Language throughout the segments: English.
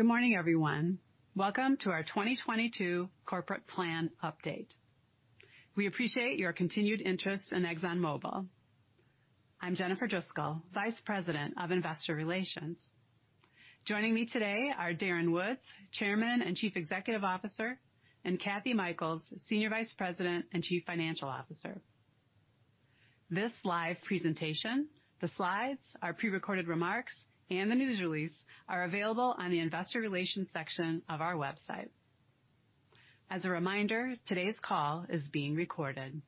Good morning, everyone. Welcome to our 2022 corporate plan update. We appreciate your continued interest in ExxonMobil. I'm Jennifer Driscoll, Vice President of Investor Relations. Joining me today are Darren Woods, Chairman and Chief Executive Officer, and Kathy Mikells, Senior Vice President and Chief Financial Officer. This live presentation, the slides, our prerecorded remarks, and the news release are available on the Investor Relations section of our website. As a reminder, today's call is being recorded.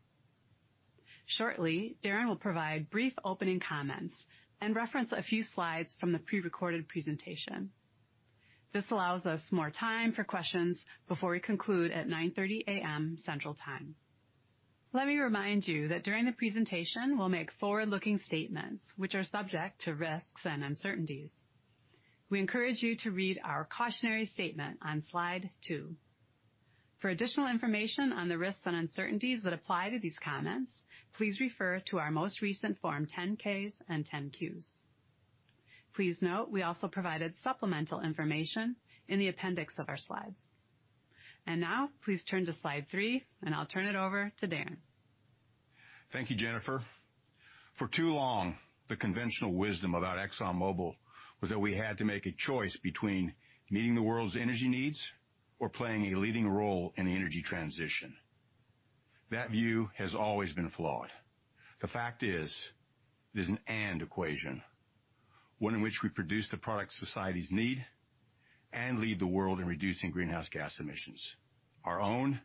Shortly, Darren will provide brief opening comments and reference a few slides from the prerecorded presentation. This allows us more time for questions before we conclude at 9:30 A.M. Central Time. Let me remind you that during the presentation, we'll make forward-looking statements which are subject to risks and uncertainties. We encourage you to read our cautionary statement on slide two. For additional information on the risks and uncertainties that apply to these comments, please refer to our most recent Form 10-Ks and Form 10-Qs. Please note we also provided supplemental information in the appendix of our slides. Now please turn to slide three, and I'll turn it over to Darren. Thank you, Jennifer. For too long, the conventional wisdom about ExxonMobil was that we had to make a choice between meeting the world's energy needs or playing a leading role in the energy transition. That view has always been flawed. The fact is it is an and equation, one in which we produce the products societies need and lead the world in reducing greenhouse gas emissions, our own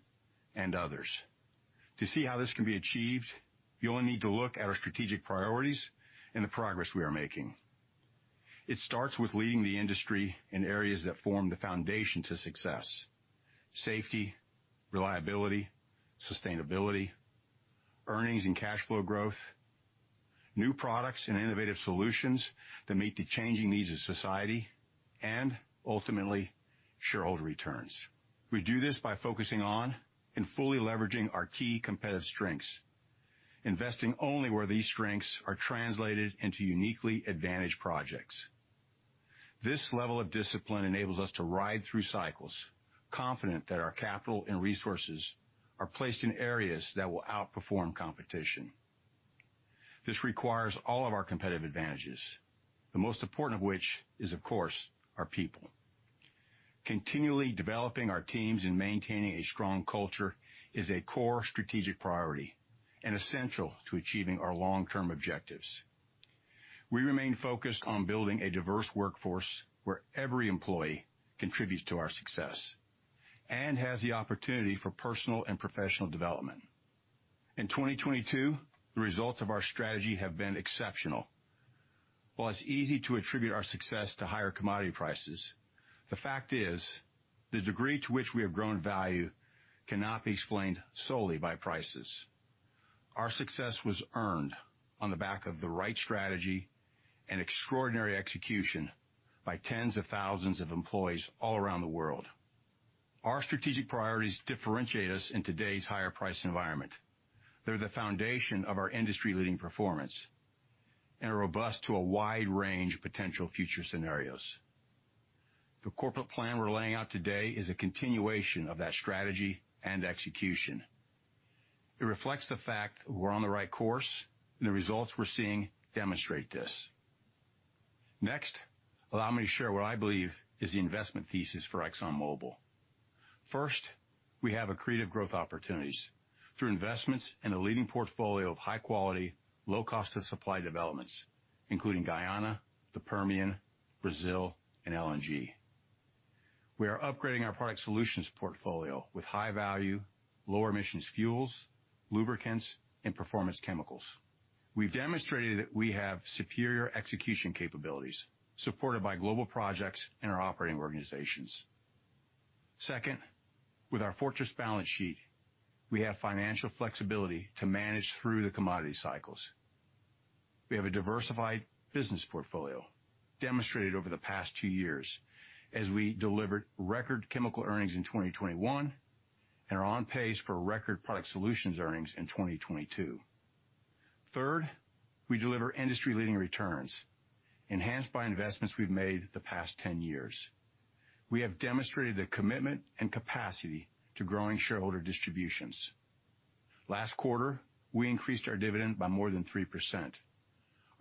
and others. To see how this can be achieved, you only need to look at our strategic priorities and the progress we are making. It starts with leading the industry in areas that form the foundation to success, safety, reliability, sustainability, earnings and cash flow growth, new products and innovative solutions that meet the changing needs of society and ultimately shareholder returns. We do this by focusing on and fully leveraging our key competitive strengths, investing only where these strengths are translated into uniquely advantaged projects. This level of discipline enables us to ride through cycles, confident that our capital and resources are placed in areas that will outperform competition. This requires all of our competitive advantages, the most important of which is, of course, our people. Continually developing our teams and maintaining a strong culture is a core strategic priority and essential to achieving our long-term objectives. We remain focused on building a diverse workforce where every employee contributes to our success and has the opportunity for personal and professional development. In 2022, the results of our strategy have been exceptional. While it's easy to attribute our success to higher commodity prices, the fact is the degree to which we have grown value cannot be explained solely by prices. Our success was earned on the back of the right strategy and extraordinary execution by tens of thousands of employees all around the world. Our strategic priorities differentiate us in today's higher price environment. They're the foundation of our industry-leading performance and are robust to a wide range of potential future scenarios. The corporate plan we're laying out today is a continuation of that strategy and execution. It reflects the fact we're on the right course, and the results we're seeing demonstrate this. Next, allow me to share what I believe is the investment thesis for ExxonMobil. First, we have accretive growth opportunities through investments in a leading portfolio of high-quality, low cost of supply developments, including Guyana, the Permian, Brazil, and LNG. We are upgrading our product solutions portfolio with high-value, low-emissions fuels, lubricants, and performance chemicals. We've demonstrated that we have superior execution capabilities supported by global projects in our operating organizations. Second, with our fortress balance sheet, we have financial flexibility to manage through the commodity cycles. We have a diversified business portfolio demonstrated over the past two years as we delivered record chemical earnings in 2021 and are on pace for record product solutions earnings in 2022. Third, we deliver industry-leading returns enhanced by investments we've made the past 10 years. We have demonstrated the commitment and capacity to growing shareholder distributions. Last quarter, we increased our dividend by more than 3%.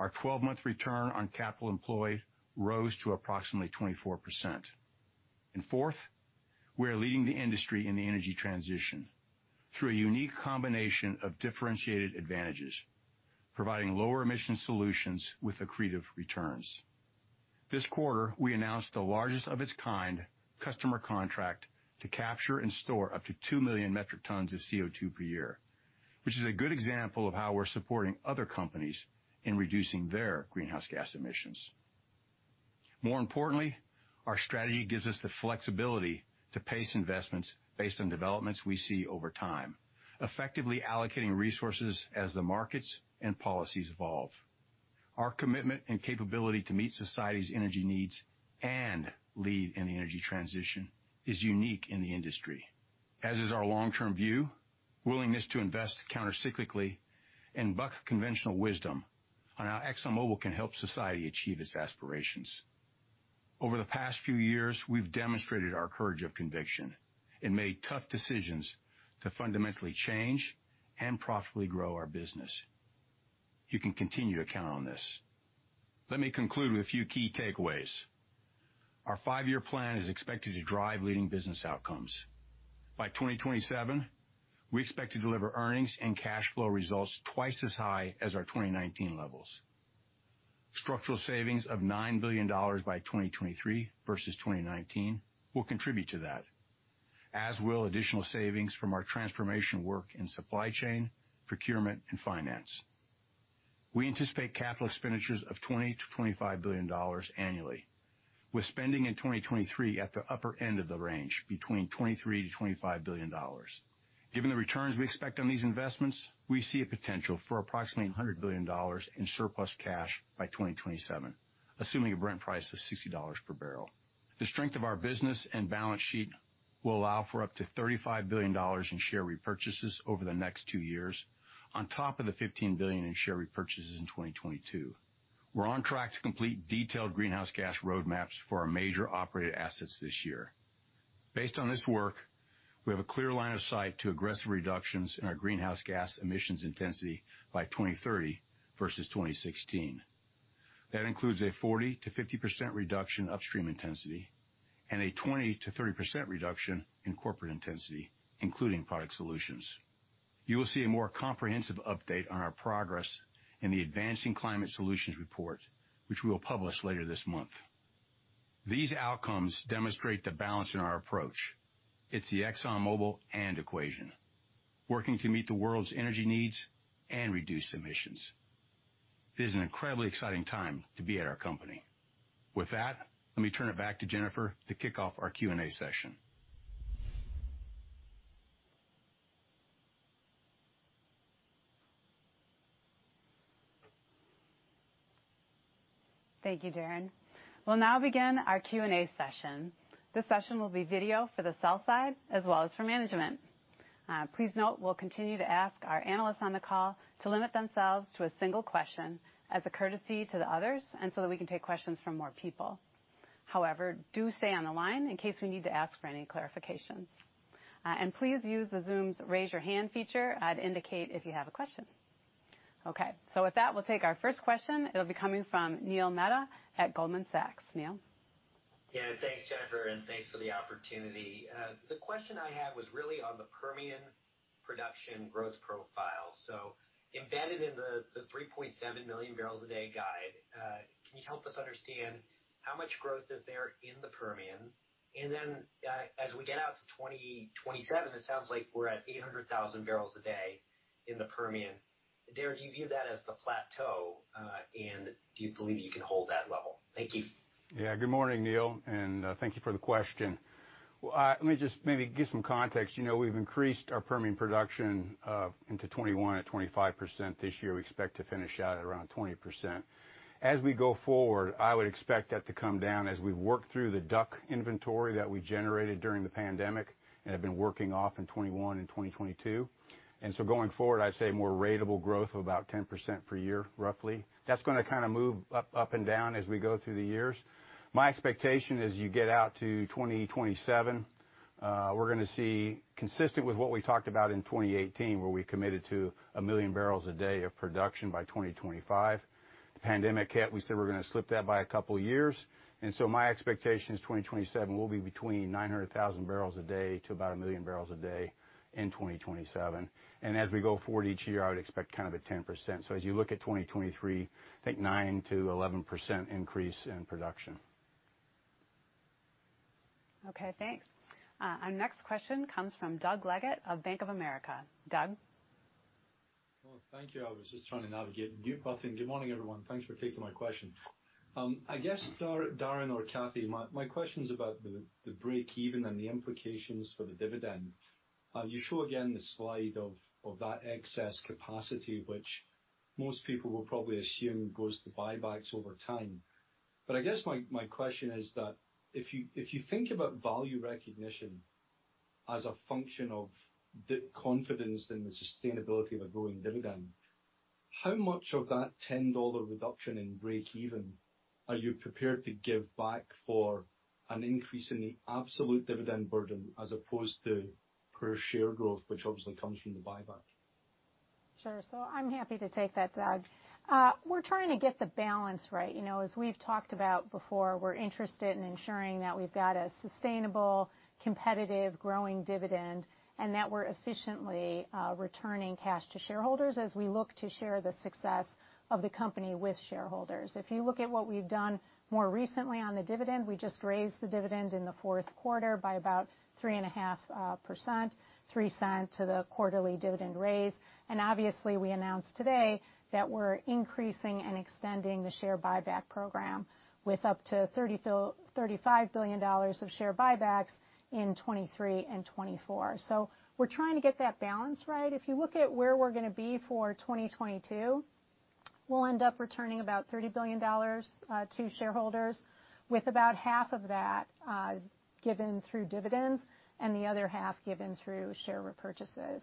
Our 12-month Return on Capital Employed rose to approximately 24%. Fourth, we are leading the industry in the energy transition through a unique combination of differentiated advantages, providing lower emission solutions with accretive returns. This quarter, we announced the largest of its kind customer contract to capture and store up to 2 million metric tons of CO2 per year, which is a good example of how we're supporting other companies in reducing their greenhouse gas emissions. More importantly, our strategy gives us the flexibility to pace investments based on developments we see over time, effectively allocating resources as the markets and policies evolve. Our commitment and capability to meet society's energy needs and lead in the energy transition is unique in the industry, as is our long-term view, willingness to invest counter-cyclically and buck conventional wisdom on how ExxonMobil can help society achieve its aspirations. Over the past few years, we've demonstrated our courage of conviction and made tough decisions to fundamentally change and profitably grow our business. You can continue to count on this. Let me conclude with a few key takeaways. Our five-year plan is expected to drive leading business outcomes. By 2027, we expect to deliver earnings and cash flow results twice as high as our 2019 levels. Structural Savings of $9 billion by 2023 versus 2019 will contribute to that, as will additional savings from our transformation work in Supply Chain, Procurement, and Finance. We anticipate capital expenditures of $20 billion-$25 billion annually, with spending in 2023 at the upper end of the range between $23 billion-$25 billion. Given the returns we expect on these investments, we see a potential for approximately $100 billion in surplus cash by 2027, assuming a Brent price of $60 per barrel. The strength of our business and balance sheet will allow for up to $35 billion in share repurchases over the next two years on top of the $15 billion in share repurchases in 2022. We're on track to complete detailed greenhouse gas roadmaps for our major operated assets this year. Based on this work, we have a clear line of sight to aggressive reductions in our greenhouse gas emissions intensity by 2030 versus 2016. That includes a 40%-50% reduction upstream intensity and a 20%-30% reduction in corporate intensity, including product solutions. You will see a more comprehensive update on our progress in the Advancing Climate Solutions report, which we will publish later this month. These outcomes demonstrate the balance in our approach. It's the ExxonMobil and equation, working to meet the world's energy needs and reduce emissions. It is an incredibly exciting time to be at our company. With that, let me turn it back to Jennifer to kick off our Q&A session. Thank you, Darren. We'll now begin our Q&A session. This session will be video for the sell side as well as for management. Please note we'll continue to ask our analysts on the call to limit themselves to a single question as a courtesy to the others and so that we can take questions from more people. However, do stay on the line in case we need to ask for any clarification. Please use the Zoom's Raise Your Hand feature to indicate if you have a question. Okay. With that, we'll take our first question. It'll be coming from Neil Mehta at Goldman Sachs. Neil? Yeah. Thanks, Jennifer, and thanks for the opportunity. The question I had was really on the Permian production growth profile. Embedded in the 3.7 million barrels a day guide, can you help us understand how much growth is there in the Permian? As we get out to 2027, it sounds like we're at 800,000 barrels a day in the Permian. Darren, do you view that as the plateau, and do you believe you can hold that level? Thank you. Good morning, Neil, and thank you for the question. Well, let me just maybe give some context. You know, we've increased our Permian production into 2021 at 25% this year. We expect to finish out at around 20%. As we go forward, I would expect that to come down as we work through the DUC inventory that we generated during the pandemic and have been working off in 2021 and 2022. Going forward, I'd say more ratable growth of about 10% per year, roughly. That's gonna kinda move up and down as we go through the years. My expectation as you get out to 2027, we're gonna see consistent with what we talked about in 2018, where we committed to 1 million barrels a day of production by 2025. The pandemic hit, we said we're gonna slip that by a couple years. My expectation is 2027, we'll be between 900,000 barrels a day to about 1 million barrels a day in 2027. As we go forward each year, I would expect kind of at 10%. As you look at 2023, I think 9%-11% increase in production. Okay. Thanks. Our next question comes from Doug Leggate of Bank of America. Doug? Well, thank you. I was just trying to navigate the mute button. Good morning, everyone. Thanks for taking my question. I guess, Darren or Kathy, my question's about the break even and the implications for the dividend. You show again the slide of that excess capacity, which most people will probably assume goes to buybacks over time. I guess my question is that if you think about value recognition as a function of the confidence in the sustainability of a growing dividend, how much of that $10 reduction in break even are you prepared to give back for an increase in the absolute dividend burden as opposed to per share growth, which obviously comes from the buyback? Sure. I'm happy to take that, Doug. We're trying to get the balance right. You know, as we've talked about before, we're interested in ensuring that we've got a sustainable, competitive, growing dividend and that we're efficiently returning cash to shareholders as we look to share the success of the company with shareholders. If you look at what we've done more recently on the dividend, we just raised the dividend in the fourth quarter by about three and a half %, $0.03 to the quarterly dividend raise. Obviously, we announced today that we're increasing and extending the share buyback program with up to $35 billion of share buybacks in 2023 and 2024. We're trying to get that balance right. If you look at where we're gonna be for 2022. We'll end up returning about $30 billion to shareholders, with about half of that given through dividends and the other half given through share repurchases.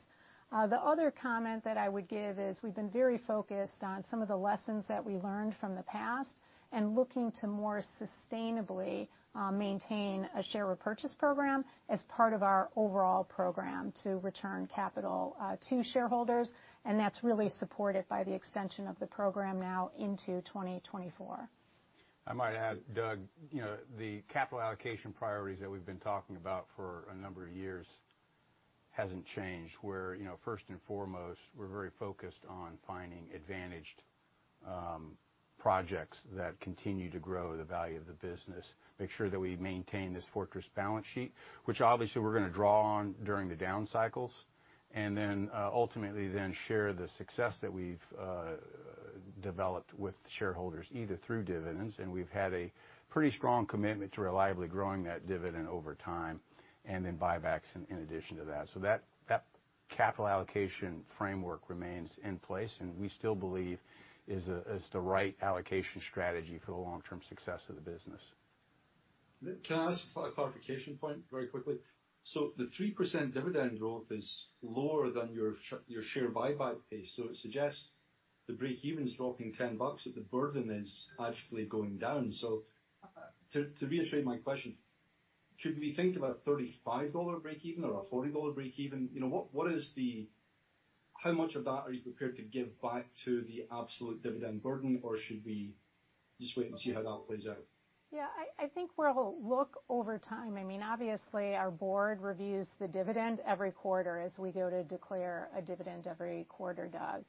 The other comment that I would give is we've been very focused on some of the lessons that we learned from the past and looking to more sustainably maintain a share repurchase program as part of our overall program to return capital to shareholders, and that's really supported by the extension of the program now into 2024. I might add, Doug, you know, the capital allocation priorities that we've been talking about for a number of years hasn't changed, where, you know, first and foremost, we're very focused on finding advantaged projects that continue to grow the value of the business, make sure that we maintain this fortress balance sheet, which obviously we're gonna draw on during the down cycles, and then ultimately then share the success that we've developed with shareholders, either through dividends, and we've had a pretty strong commitment to reliably growing that dividend over time and then buybacks in addition to that. That, that capital allocation framework remains in place, and we still believe is the right allocation strategy for the long-term success of the business. Nick, can I ask a clarification point very quickly? The 3% dividend growth is lower than your share buyback pace, it suggests the breakeven is dropping $10, the burden is actually going down. To reiterate my question, should we think about $35 breakeven or a $40 breakeven? You know, what is the how much of that are you prepared to give back to the absolute dividend burden, or should we just wait and see how that plays out? I think we'll look over time. I mean, obviously, our board reviews the dividend every quarter as we go to declare a dividend every quarter, Doug.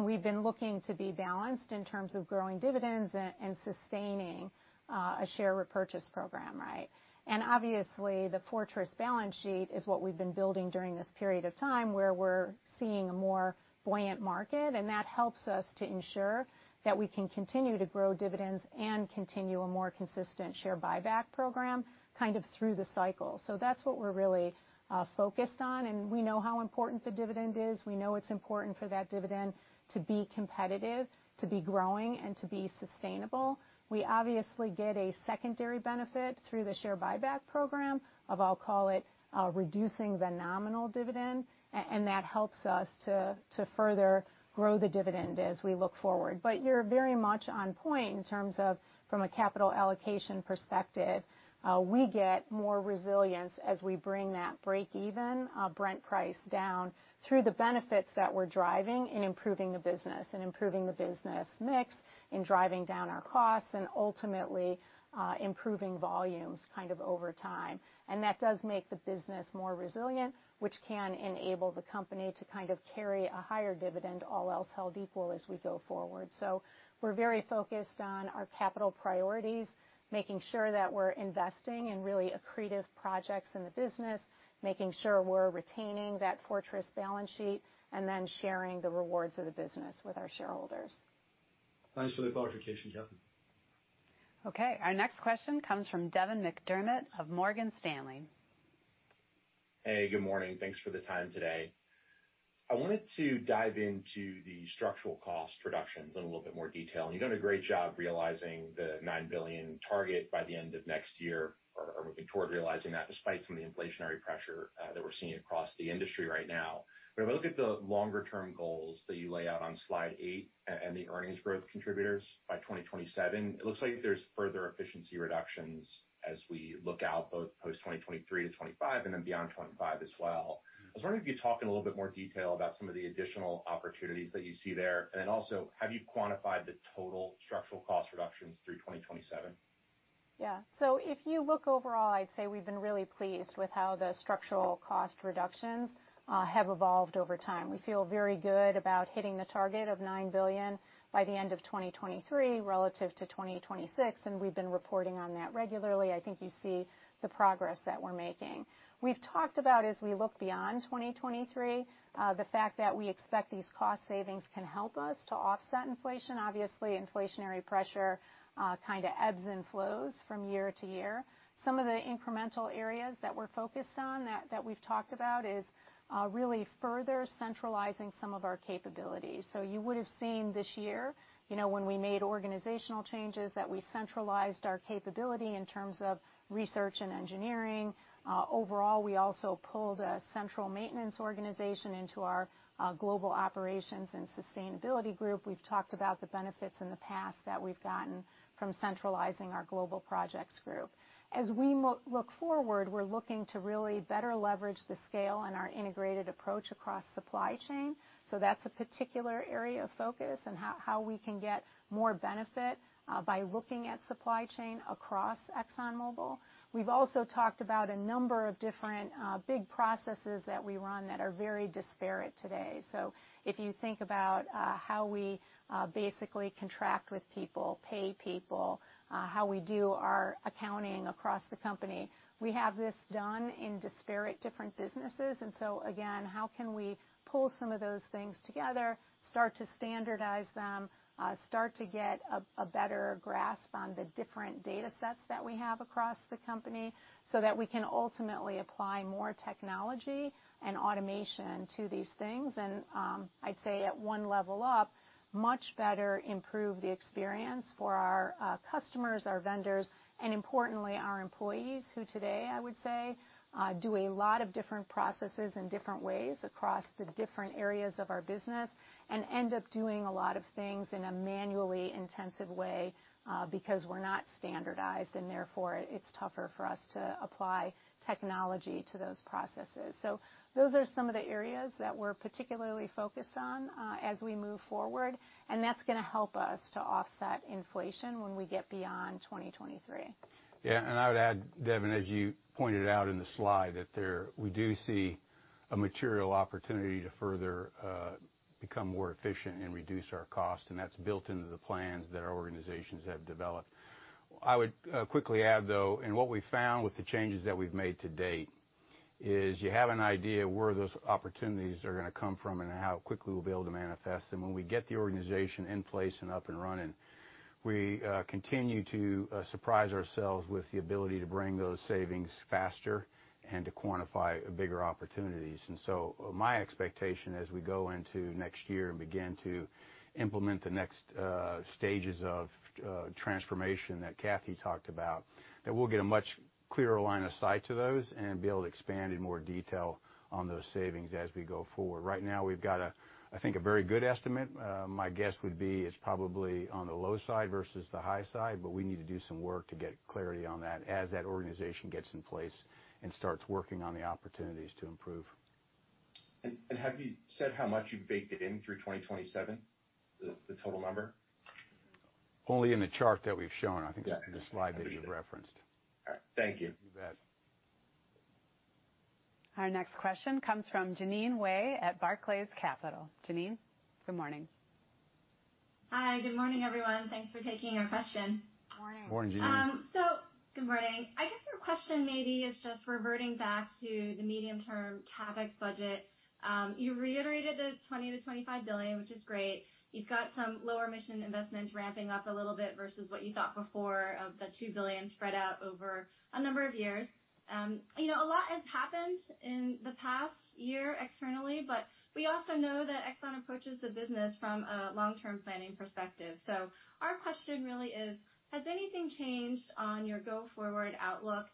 We've been looking to be balanced in terms of growing dividends and sustaining a share repurchase program, right? Obviously, the fortress balance sheet is what we've been building during this period of time, where we're seeing a more buoyant market, and that helps us to ensure that we can continue to grow dividends and continue a more consistent share buyback program kind of through the cycle. That's what we're really focused on, and we know how important the dividend is. We know it's important for that dividend to be competitive, to be growing, and to be sustainable. We obviously get a secondary benefit through the share buyback program of, I'll call it, reducing the nominal dividend and that helps us to further grow the dividend as we look forward. You're very much on point in terms of from a capital allocation perspective. We get more resilience as we bring that breakeven Brent price down through the benefits that we're driving in improving the business and improving the business mix and driving down our costs and ultimately, improving volumes kind of over time. That does make the business more resilient, which can enable the company to kind of carry a higher dividend, all else held equal as we go forward. We're very focused on our capital priorities, making sure that we're investing in really accretive projects in the business, making sure we're retaining that fortress balance sheet, and then sharing the rewards of the business with our shareholders. Thanks for the clarification, Kathy. Okay. Our next question comes from Devin McDermott of Morgan Stanley. Hey, good morning. Thanks for the time today. I wanted to dive into the structural cost reductions in a little bit more detail. You've done a great job realizing the $9 billion target by the end of next year or moving toward realizing that despite some of the inflationary pressure that we're seeing across the industry right now. If I look at the longer-term goals that you lay out on slide eight and the earnings growth contributors by 2027, it looks like there's further efficiency reductions as we look out both post 2023-2025 and then beyond 2025 as well. I was wondering if you could talk in a little bit more detail about some of the additional opportunities that you see there. Then also, have you quantified the total structural cost reductions through 2027? If you look overall, I'd say we've been really pleased with how the structural cost reductions have evolved over time. We feel very good about hitting the target of $9 billion by the end of 2023 relative to 2026, and we've been reporting on that regularly. I think you see the progress that we're making. We've talked about as we look beyond 2023, the fact that we expect these cost savings can help us to offset inflation. Obviously, inflationary pressure, kinda ebbs and flows from year to year. Some of the incremental areas that we're focused on that we've talked about is really further centralizing some of our capabilities. You would've seen this year, you know, when we made organizational changes, that we centralized our capability in terms of research and engineering. Overall, we also pulled a central maintenance organization into our Global Operations and Sustainability group. We've talked about the benefits in the past that we've gotten from centralizing our global projects group. As we look forward, we're looking to really better leverage the scale and our integrated approach across supply chain. That's a particular area of focus and how we can get more benefit by looking at supply chain across ExxonMobil. We've also talked about a number of different big processes that we run that are very disparate today. If you think about how we basically contract with people, pay people, how we do our accounting across the company, we have this done in disparate different businesses. Again, how can we pull some of those things together, start to standardize them, start to get a better grasp on the different datasets that we have across the company so that we can ultimately apply more technology and automation to these things. I'd say at one level up, much better improve the experience for our customers, our vendors, and importantly, our employees, who today, I would say, do a lot of different processes in different ways across the different areas of our business and end up doing a lot of things in a manually intensive way, because we're not standardized and therefore it's tougher for us to apply technology to those processes. Those are some of the areas that we're particularly focused on, as we move forward, and that's gonna help us to offset inflation when we get beyond 2023. Yeah. I would add, Devin, as you pointed out in the slide, we do see a material opportunity to further become more efficient and reduce our cost, and that's built into the plans that our organizations have developed. I would quickly add, though, what we found with the changes that we've made to date is you have an idea of where those opportunities are gonna come from and how quickly we'll be able to manifest them. When we get the organization in place and up and running, we continue to surprise ourselves with the ability to bring those savings faster and to quantify bigger opportunities. My expectation as we go into next year and begin to implement the next stages of transformation that Kathy talked about, that we'll get a much clearer line of sight to those and be able to expand in more detail on those savings as we go forward. Right now, we've got a, I think, a very good estimate. My guess would be it's probably on the low side versus the high side, but we need to do some work to get clarity on that as that organization gets in place and starts working on the opportunities to improve. Have you said how much you've baked it in through 2027, the total number? Only in the chart that we've shown. Yeah. I think it's in the slide that you referenced. All right. Thank you. You bet. Our next question comes from Jeanine Wai at Barclays Capital. Jeanine, good morning. Hi, good morning, everyone. Thanks for taking our question. Morning. Morning, Jeanine. Good morning. I guess your question maybe is just reverting back to the medium-term CapEx budget. You reiterated the $20 billion-$25 billion, which is great. You've got some lower emission investments ramping up a little bit versus what you thought before of the $2 billion spread out over a number of years. You know, a lot has happened in the past year externally, we also know that Exxon approaches the business from a long-term planning perspective. Our question really is, has anything changed on your go-forward outlook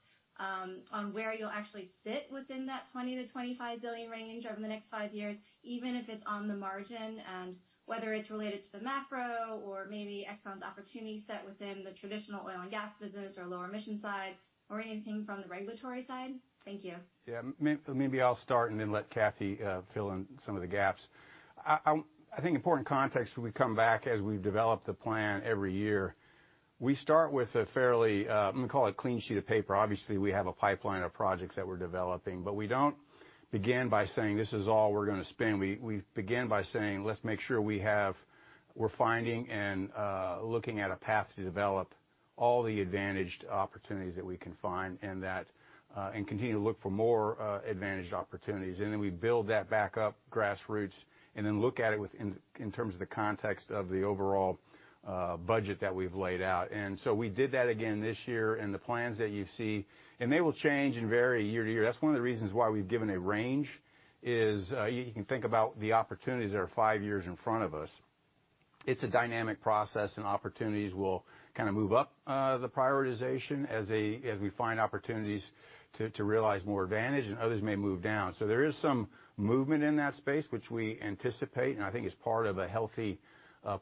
on where you'll actually sit within that $20 billion-$25 billion range over the next five years, even if it's on the margin, and whether it's related to the macro or maybe Exxon's opportunity set within the traditional oil and gas business or lower emission side or anything from the regulatory side? Thank you. Yeah. Maybe I'll start and then let Kathy fill in some of the gaps. I think important context when we come back as we've developed the plan every year, we start with a fairly, I'm gonna call it a clean sheet of paper. Obviously, we have a pipeline of projects that we're developing, but we don't begin by saying, "This is all we're gonna spend." We begin by saying, "Let's make sure we're finding and looking at a path to develop all the advantaged opportunities that we can find and that and continue to look for more advantaged opportunities." Then we build that back up grassroots and then look at it in terms of the context of the overall budget that we've laid out. We did that again this year, and the plans that you see, and they will change and vary year to year. That's one of the reasons why we've given a range is, you can think about the opportunities that are five years in front of us. It's a dynamic process, and opportunities will kind of move up, the prioritization as we find opportunities to realize more advantage and others may move down. There is some movement in that space which we anticipate, and I think it's part of a healthy,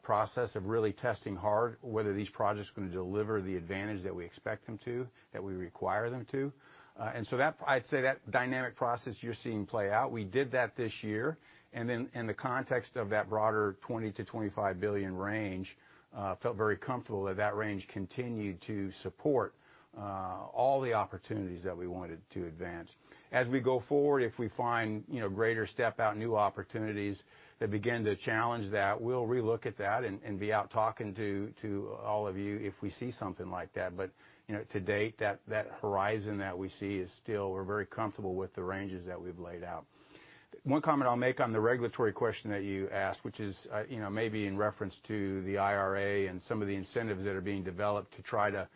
process of really testing hard whether these projects are gonna deliver the advantage that we expect them to, that we require them to. I'd say that dynamic process you're seeing play out, we did that this year. In the context of that broader $20 billion-$25 billion range, felt very comfortable that that range continued to support all the opportunities that we wanted to advance. As we go forward, if we find, you know, greater step-out, new opportunities that begin to challenge that, we'll relook at that and be out talking to all of you if we see something like that. You know, to date, that horizon that we see is still we're very comfortable with the ranges that we've laid out. One comment I'll make on the regulatory question that you asked, which is, you know, maybe in reference to the IRA and some of the incentives that are being developed to try to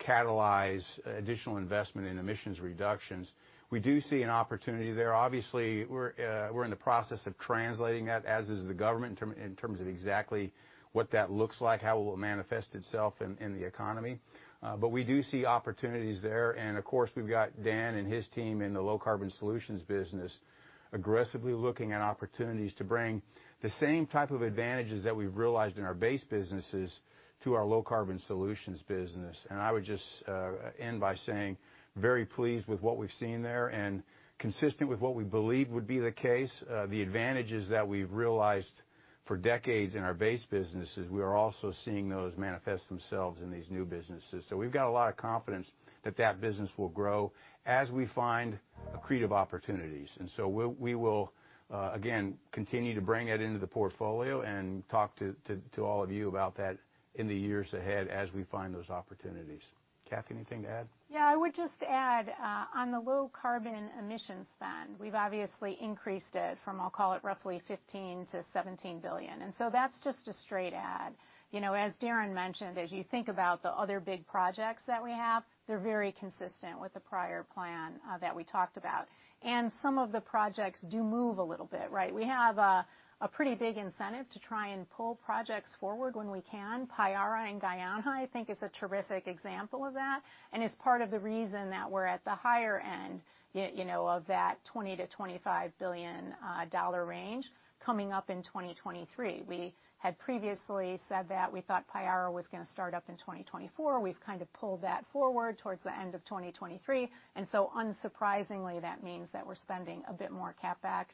catalyze additional investment in emissions reductions. We do see an opportunity there. Obviously, we're in the process of translating that, as is the government in terms of exactly what that looks like, how it will manifest itself in the economy. We do see opportunities there. Of course, we've got Dan and his team in the Low Carbon Solutions business aggressively looking at opportunities to bring the same type of advantages that we've realized in our base businesses to our Low Carbon Solutions business. I would just end by saying very pleased with what we've seen there and consistent with what we believe would be the case, the advantages that we've realized for decades in our base businesses, we are also seeing those manifest themselves in these new businesses. We've got a lot of confidence that that business will grow as we find accretive opportunities. We will again, continue to bring it into the portfolio and talk to all of you about that in the years ahead as we find those opportunities. Kathy, anything to add? Yeah, I would just add on the low carbon emissions spend, we've obviously increased it from, I'll call it roughly $15 billion-$17 billion. That's just a straight add. You know, as Darren mentioned, as you think about the other big projects that we have, they're very consistent with the prior plan that we talked about. Some of the projects do move a little bit, right? We have a pretty big incentive to try and pull projects forward when we can. Payara in Guyana, I think, is a terrific example of that and is part of the reason that we're at the higher end you know, of that $20 billion-$25 billion dollar range coming up in 2023. We had previously said that we thought Payara was gonna start up in 2024. We've kind of pulled that forward towards the end of 2023. Unsurprisingly, that means that we're spending a bit more CapEx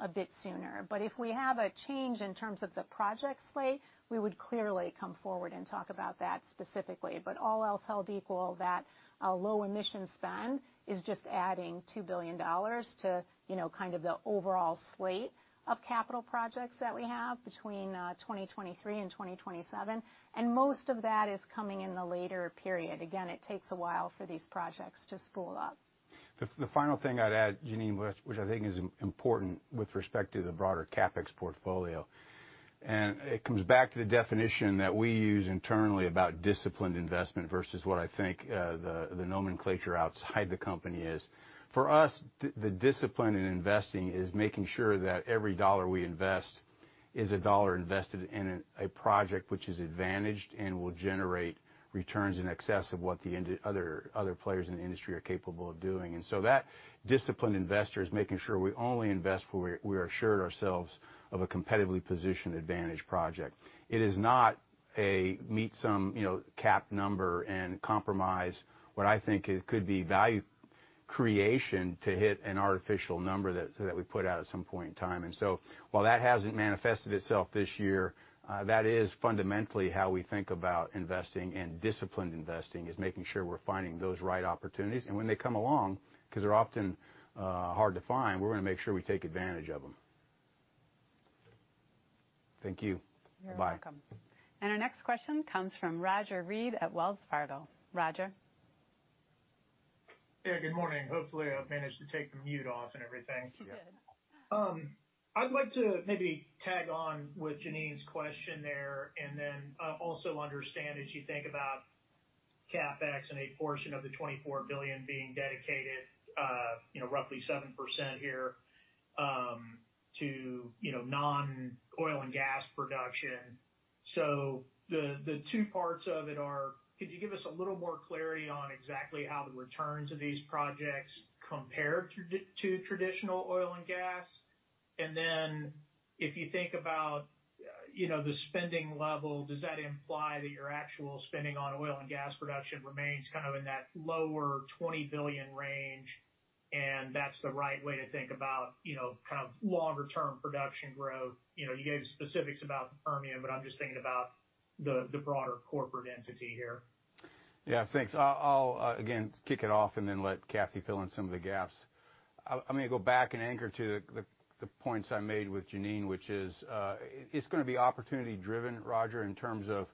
a bit sooner. If we have a change in terms of the project slate, we would clearly come forward and talk about that specifically. All else held equal, that low emission spend is just adding $2 billion to, you know, kind of the overall slate of capital projects that we have between 2023 and 2027. Most of that is coming in the later period. Again, it takes a while for these projects to spool up. The final thing I'd add, Jeanine, which I think is important with respect to the broader CapEx portfolio. It comes back to the definition that we use internally about disciplined investment versus what I think the nomenclature outside the company is. For us, the discipline in investing is making sure that every $1 we invest is a $1 invested in a project which is advantaged and will generate returns in excess of what the other players in the industry are capable of doing. That disciplined investor is making sure we only invest where we assured ourselves of a competitively positioned advantage project. It is not a meet some, you know, cap number and compromise what I think it could be value creation to hit an artificial number that we put out at some point in time. While that hasn't manifested itself this year, that is fundamentally how we think about investing. Disciplined investing is making sure we're finding those right opportunities. When they come along, 'cause they're often, hard to find, we're gonna make sure we take advantage of them. Thank you. Bye-bye. You're welcome. Our next question comes from Roger Read at Wells Fargo. Roger? Yeah, good morning. Hopefully, I've managed to take the mute off and everything. Yeah. You're good. I'd like to maybe tag on with Jeanine's question there and then, also understand as you think about CapEx and a portion of the $24 billion being dedicated, you know, roughly 7% here, to, you know, non-oil and gas production. The two parts of it are, could you give us a little more clarity on exactly how the returns of these projects compare to traditional oil and gas? If you think about, you know, the spending level, does that imply that your actual spending on oil and gas production remains kind of in that lower $20 billion range, and that's the right way to think about, you know, kind of longer term production growth? You know, you gave specifics about Permian, but I'm just thinking about the broader corporate entity here. Yeah, thanks. I'll again, kick it off and then let Kathy fill in some of the gaps. I'm gonna go back and anchor to the points I made with Jeanine, which is, it's gonna be opportunity driven, Roger, in terms of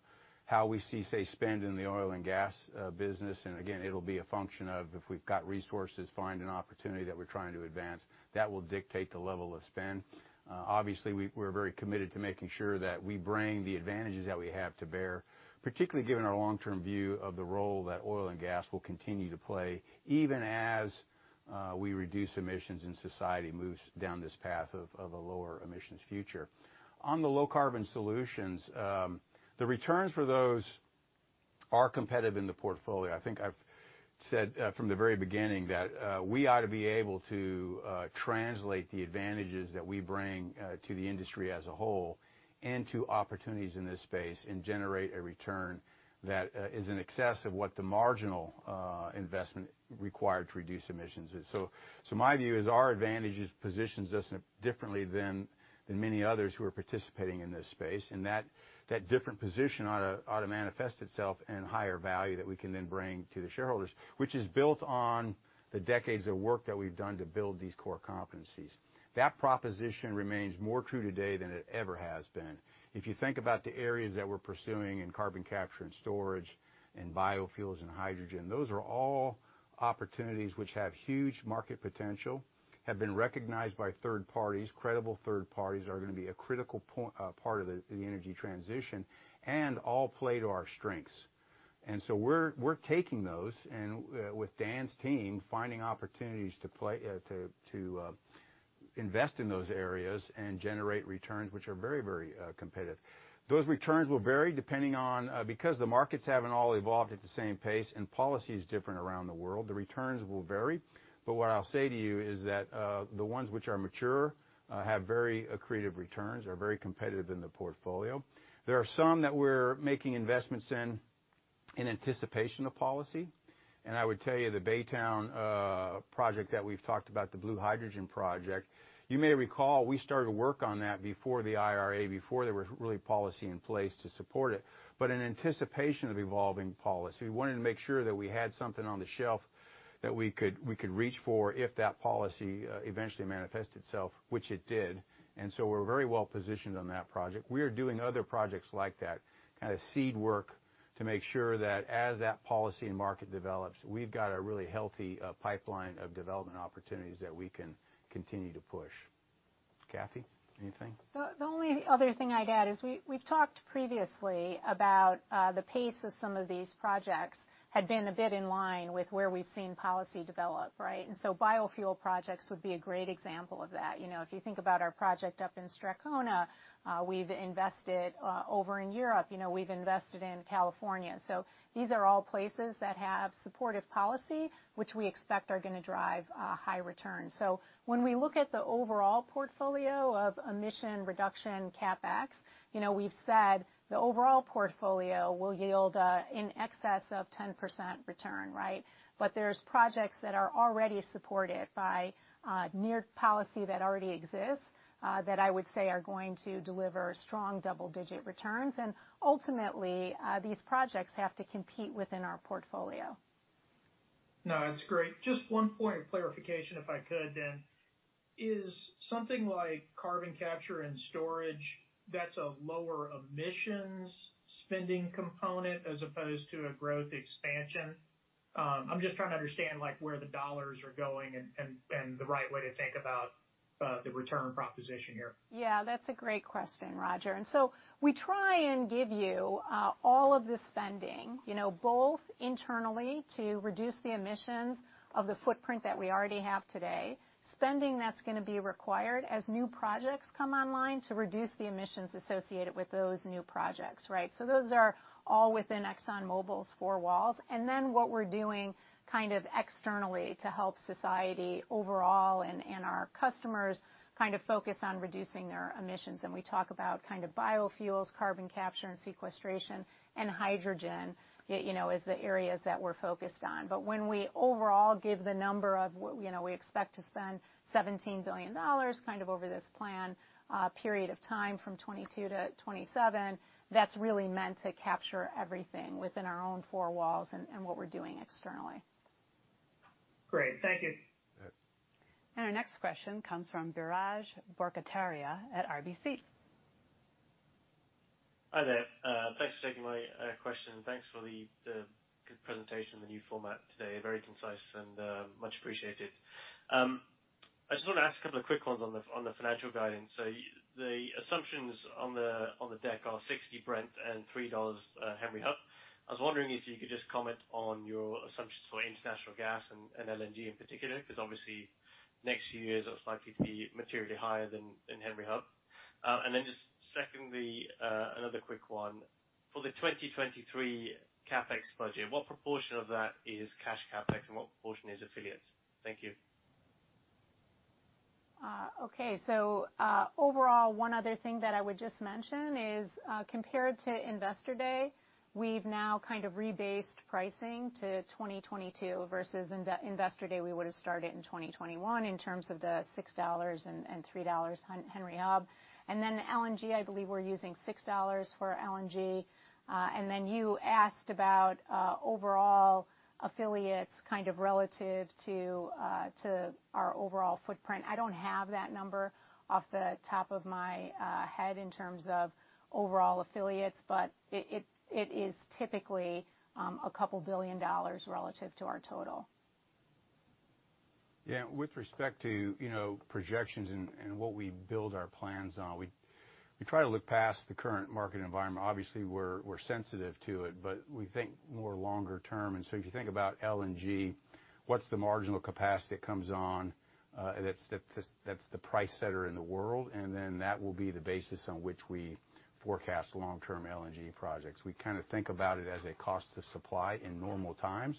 how we see, say, spend in the oil and gas business. Again, it'll be a function of if we've got resources, find an opportunity that we're trying to advance, that will dictate the level of spend. Obviously we're very committed to making sure that we bring the advantages that we have to bear, particularly given our long-term view of the role that oil and gas will continue to play, even as we reduce emissions and society moves down this path of a lower emissions future. On the Low Carbon Solutions, the returns for those are competitive in the portfolio. I think I've said from the very beginning that we ought to be able to translate the advantages that we bring to the industry as a whole and to opportunities in this space and generate a return that is in excess of what the marginal investment required to reduce emissions is. My view is our advantage positions us differently than many others who are participating in this space, and that different position oughta manifest itself in higher value that we can then bring to the shareholders, which is built on the decades of work that we've done to build these core competencies. That proposition remains more true today than it ever has been. If you think about the areas that we're pursuing in carbon capture and storage and biofuels and hydrogen, those are all opportunities which have huge market potential, have been recognized by third parties, credible third parties, are gonna be a critical part of the energy transition, and all play to our strengths. We're taking those and with Dan's team, finding opportunities to invest in those areas and generate returns which are very competitive. Those returns will vary depending on because the markets haven't all evolved at the same pace and policy is different around the world, the returns will vary. What I'll say to you is that the ones which are mature have very accretive returns, are very competitive in the portfolio. There are some that we're making investments in anticipation of policy. I would tell you the Baytown project that we've talked about, the blue hydrogen project, you may recall we started work on that before the IRA, before there was really policy in place to support it. In anticipation of evolving policy, we wanted to make sure that we had something on the shelf that we could, we could reach for if that policy eventually manifests itself, which it did. We're very well-positioned on that project. We are doing other projects like that, kind of seed work to make sure that as that policy and market develops, we've got a really healthy pipeline of development opportunities that we can continue to push. Kathy, anything? The only other thing I'd add is we've talked previously about the pace of some of these projects had been a bit in line with where we've seen policy develop, right? Biofuel projects would be a great example of that. You know, if you think about our project up in Strathcona, we've invested over in Europe, you know, we've invested in California. These are all places that have supportive policy, which we expect are gonna drive a high return. When we look at the overall portfolio of emission reduction CapEx, you know, we've said the overall portfolio will yield in excess of 10% return, right? There's projects that are already supported by near policy that already exists, that I would say are going to deliver strong double-digit returns. Ultimately, these projects have to compete within our portfolio. No, that's great. Just one point of clarification, if I could then. Is something like carbon capture and storage that's a lower emissions spending component as opposed to a growth expansion? I'm just trying to understand, like, where the dollars are going and the right way to think about the return proposition here. Yeah, that's a great question, Roger. We try and give you all of the spending, you know, both internally to reduce the emissions of the footprint that we already have today, spending that's gonna be required as new projects come online to reduce the emissions associated with those new projects, right? Those are all within ExxonMobil's four walls. What we're doing kind of externally to help society overall and our customers kind of focus on reducing their emissions. We talk about kind of biofuels, carbon capture and sequestration and hydrogen, you know, as the areas that we're focused on. When we overall give the number of what, you know, we expect to spend $17 billion kind of over this plan, period of time from 2022 to 2027, that's really meant to capture everything within our own four walls and what we're doing externally. Great. Thank you. All right. Our next question comes from Biraj Borkhataria at RBC. Hi there. Thanks for taking my question, and thanks for the good presentation, the new format today. Very concise and much appreciated. I just want to ask a couple of quick ones on the financial guidance. The assumptions on the deck are $60 Brent and $3 Henry Hub. I was wondering if you could just comment on your assumptions for international gas and LNG in particular, 'cause obviously next few years, it's likely to be materially higher than Henry Hub. Just secondly, another quick one. For the 2023 CapEx budget, what proportion of that is cash CapEx and what proportion is affiliates? Thank you. Okay. Overall, one other thing that I would just mention is, compared to Investor Day, we've now kind of rebased pricing to 2022 versus in the Investor Day, we would've started in 2021 in terms of the $6 and $3 Henry Hub. Then LNG, I believe we're using $6 for LNG. Then you asked about, overall affiliates kind of relative to our overall footprint. I don't have that number off the top of my head in terms of overall affiliates, but it is typically, a couple billion dollars relative to our total. Yeah. With respect to, you know, projections and what we build our plans on, we try to look past the current market environment. Obviously, we're sensitive to it, but we think more longer term. If you think about LNG, what's the marginal capacity that comes on, that's the price setter in the world, that will be the basis on which we forecast long-term LNG projects. We kind of think about it as a cost of supply in normal times.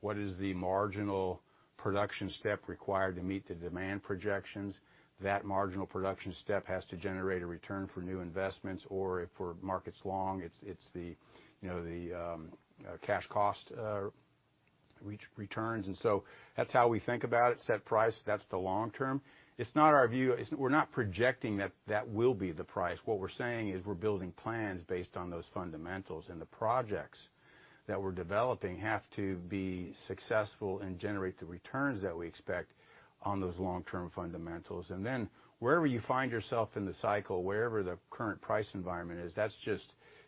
What is the marginal production step required to meet the demand projections? That marginal production step has to generate a return for new investments or if we're markets long, it's the, you know, the cash cost re-returns. That's how we think about it, set price. That's the long term. It's not our view. We're not projecting that that will be the price. What we're saying is we're building plans based on those fundamentals, the projects that we're developing have to be successful and generate the returns that we expect on those long-term fundamentals. Wherever you find yourself in the cycle, wherever the current price environment is,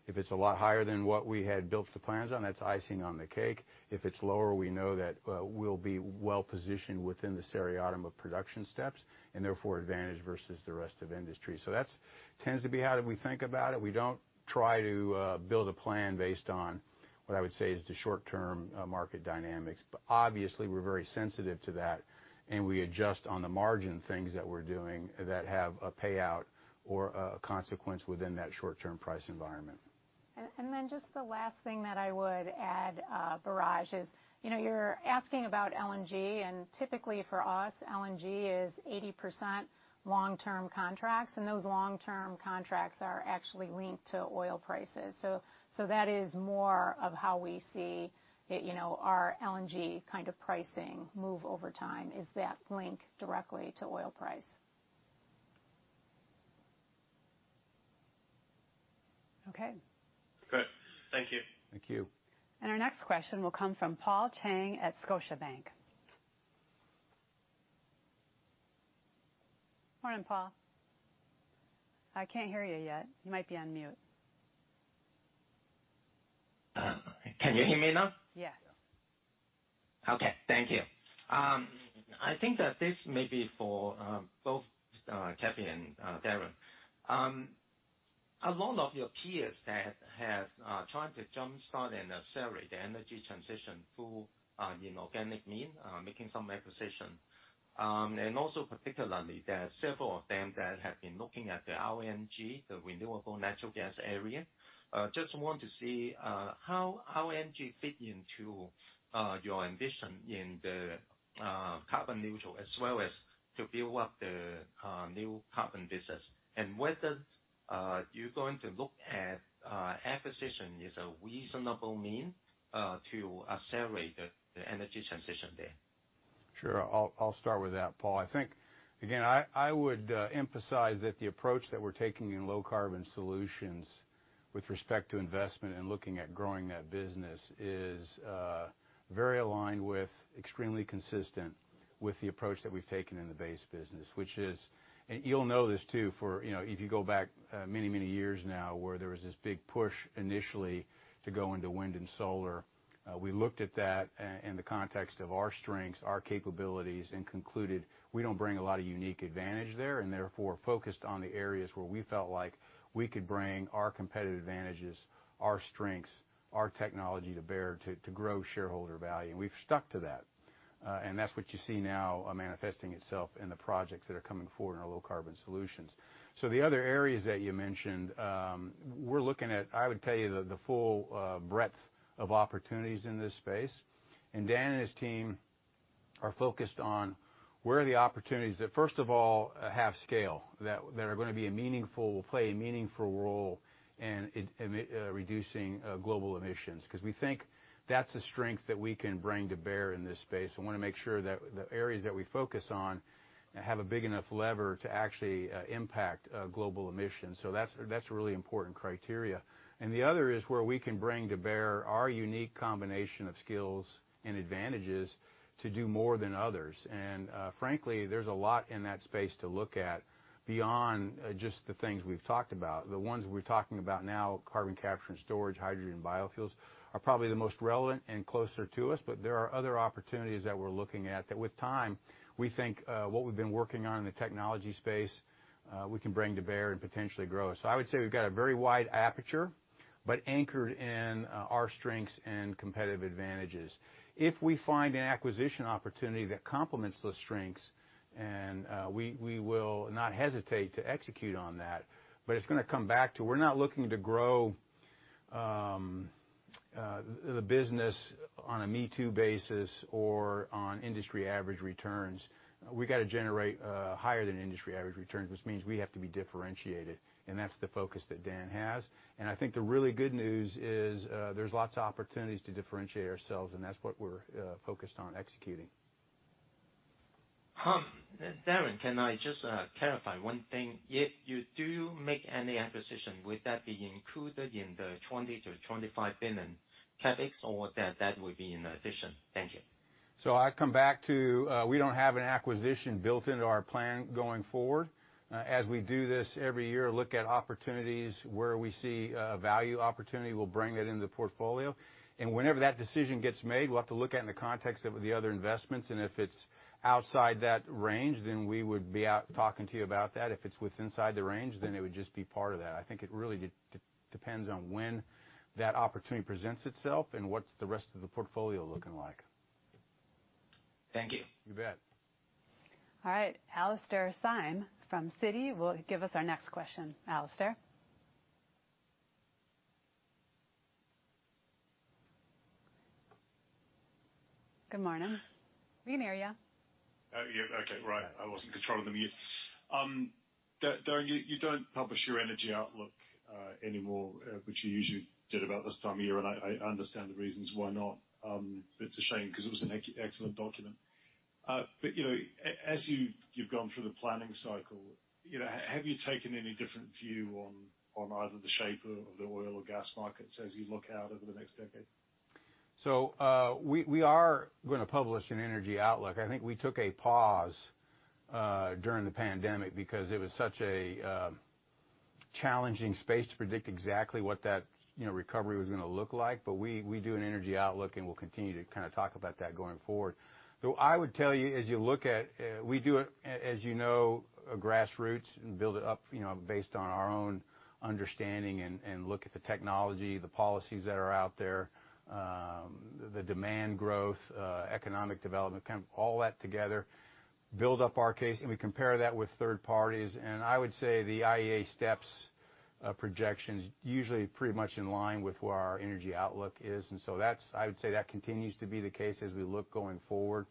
if it's a lot higher than what we had built the plans on, that's icing on the cake. If it's lower, we know that we'll be well-positioned within the seriatim of production steps, and therefore advantage versus the rest of the industry. That's tends to be how do we think about it. We don't try to build a plan based on what I would say is the short-term market dynamics. Obviously, we're very sensitive to that, and we adjust on the margin things that we're doing that have a payout or a consequence within that short-term price environment. Then just the last thing that I would add, Biraj, is, you know, you're asking about LNG, and typically for us, LNG is 80% long-term contracts, and those long-term contracts are actually linked to oil prices. That is more of how we see, you know, our LNG kind of pricing move over time, is that link directly to oil price. Okay. Good. Thank you. Thank you. Our next question will come from Paul Cheng at Scotiabank. Morning, Paul. I can't hear you yet. You might be on mute. Can you hear me now? Yes. Okay. Thank you. I think that this may be for, both, Kathy and, Darren. A lot of your peers that have, tried to jump-start and accelerate the energy transition through, you know, inorganic mean, making some acquisition. Also particularly, there are several of them that have been looking at the LNG, the renewable natural gas area. Just want to see, how LNG fit into, your ambition in the, carbon neutral, as well as to build up the, new carbon business. Whether, you're going to look at, acquisition is a reasonable mean, to accelerate the energy transition there. Sure. I'll start with that, Paul. I think, again, I would emphasize that the approach that we're taking in Low Carbon Solutions with respect to investment and looking at growing that business is very aligned with extremely consistent with the approach that we've taken in the base business. Which is, you'll know this too, for, you know, if you go back many, many years now, where there was this big push initially to go into wind and solar. We looked at that in the context of our strengths, our capabilities, and concluded we don't bring a lot of unique advantage there, and therefore, focused on the areas where we felt like we could bring our competitive advantages, our strengths, our technology to bear to grow shareholder value. We've stuck to that. That's what you see now, manifesting itself in the projects that are coming forward in our Low Carbon Solutions. The other areas that you mentioned, we're looking at, I would tell you, the full breadth of opportunities in this space. Dan and his team are focused on where are the opportunities that, first of all, have scale, that are gonna be a meaningful role in reducing global emissions. 'Cause we think that's the strength that we can bring to bear in this space. We wanna make sure that the areas that we focus on have a big enough lever to actually, impact, global emissions. That's, that's a really important criteria. The other is where we can bring to bear our unique combination of skills and advantages to do more than others. Frankly, there's a lot in that space to look at beyond just the things we've talked about. The ones we're talking about now, carbon capture and storage, hydrogen biofuels, are probably the most relevant and closer to us, but there are other opportunities that we're looking at that with time, we think, what we've been working on in the technology space, we can bring to bear and potentially grow. I would say we've got a very wide aperture, but anchored in our strengths and competitive advantages. If we find an acquisition opportunity that complements those strengths and we will not hesitate to execute on that, but it's gonna come back to we're not looking to grow the business on a me-too basis or on industry average returns. We gotta generate higher than industry average returns, which means we have to be differentiated, and that's the focus that Dan has. I think the really good news is, there's lots of opportunities to differentiate ourselves, and that's what we're focused on executing. Darren, can I just clarify one thing? If you do make any acquisition, would that be included in the $20 billion-$25 billion CapEx, or that would be in addition? Thank you. I come back to, we don't have an acquisition built into our plan going forward. As we do this every year, look at opportunities where we see, value opportunity, we'll bring it into the portfolio. Whenever that decision gets made, we'll have to look at it in the context of the other investments. If it's outside that range, then we would be out talking to you about that. If it's what's inside the range, then it would just be part of that. I think it really depends on when that opportunity presents itself and what's the rest of the portfolio looking like. Thank you. You bet. All right. Alastair Syme from Citi will give us our next question. Alastair. Good morning. We can hear you. Yeah, okay. Right. I wasn't controlling the mute. Darren, you don't publish your energy outlook, anymore, which you usually did about this time of year, and I understand the reasons why not. It's a shame 'cause it was an excellent document. You know, as you've gone through the planning cycle, you know, have you taken any different view on either the shape of the oil or gas markets as you look out over the next decade? We are gonna publish an energy outlook. I think we took a pause during the pandemic because it was such a challenging space to predict exactly what that, you know, recovery was gonna look like. We do an energy outlook, and we'll continue to kinda talk about that going forward. I would tell you, as you look at, we do it as you know, grassroots and build it up, you know, based on our own understanding and look at the technology, the policies that are out there, the demand growth, economic development, kind of all that together. Build up our case, and we compare that with third parties. I would say the IEA steps, projections usually pretty much in line with where our energy outlook is. That continues to be the case as we look going forward.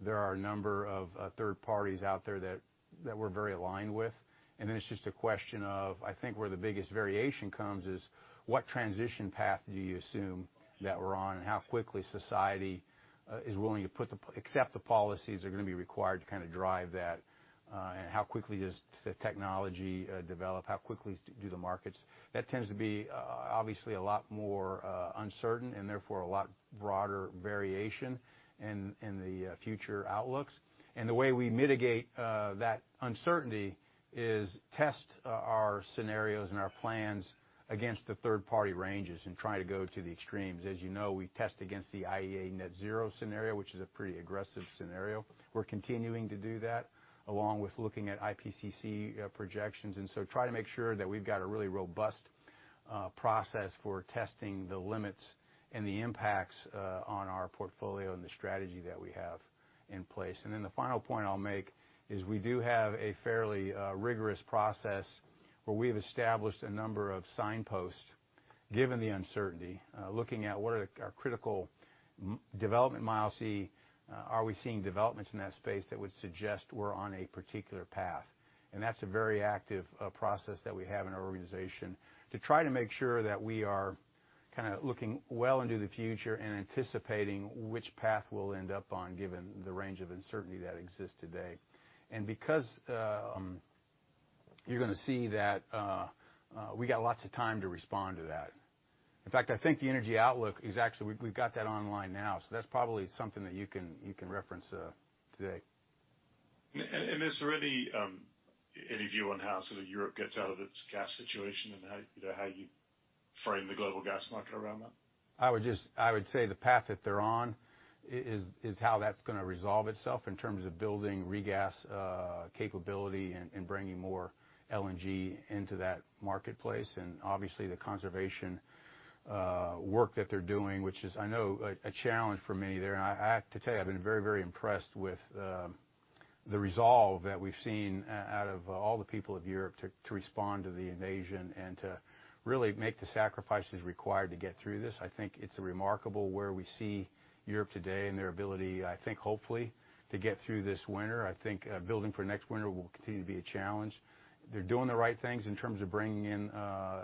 There are a number of third parties out there that we're very aligned with. It's just a question of, I think where the biggest variation comes is what transition path do you assume that we're on and how quickly society is willing to accept the policies are going to be required to kind of drive that, and how quickly does the technology develop? How quickly do the markets? That tends to be obviously a lot more uncertain and therefore a lot broader variation in the future outlooks. The way we mitigate that uncertainty is test our scenarios and our plans against the third-party ranges and try to go to the extremes. As you know, we test against the IEA Net Zero scenario, which is a pretty aggressive scenario. We're continuing to do that, along with looking at IPCC projections, try to make sure that we've got a really robust process for testing the limits and the impacts on our portfolio and the strategy that we have in place. The final point I'll make is we do have a fairly rigorous process where we have established a number of signposts, given the uncertainty, looking at what are our critical development milestones, are we seeing developments in that space that would suggest we're on a particular path. That's a very active process that we have in our organization to try to make sure that we are kinda looking well into the future and anticipating which path we'll end up on, given the range of uncertainty that exists today. Because you're gonna see that we got lots of time to respond to that. In fact, I think the energy outlook is actually We've got that online now. That's probably something that you can, you can reference today. Is there any view on how sort of Europe gets out of its gas situation and how, you know, how you frame the global gas market around that? I would say the path that they're on is how that's going to resolve itself in terms of building regasification capability and bringing more LNG into that marketplace. Obviously, the conservation work that they're doing, which is I know a challenge for many there. I have to tell you, I've been very impressed with the resolve that we've seen out of all the people of Europe to respond to the invasion and to really make the sacrifices required to get through this. I think it's remarkable where we see Europe today and their ability, I think, hopefully, to get through this winter. I think building for next winter will continue to be a challenge. They're doing the right things in terms of bringing in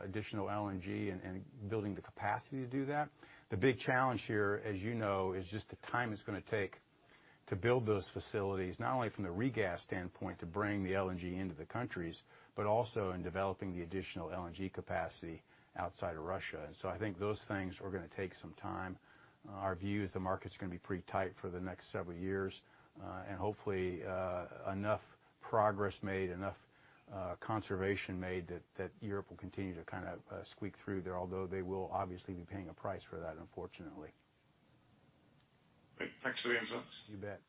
additional LNG and building the capacity to do that. The big challenge here, as you know, is just the time it's gonna take to build those facilities, not only from the regasification standpoint to bring the LNG into the countries, but also in developing the additional LNG capacity outside of Russia. I think those things are gonna take some time. Our view is the market's gonna be pretty tight for the next several years, and hopefully, enough progress made, enough conservation made that Europe will continue to kind of squeak through there, although they will obviously be paying a price for that, unfortunately. Great. Thanks for the insights. You bet.